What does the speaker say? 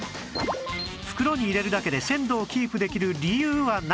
袋に入れるだけで鮮度をキープできる理由は何？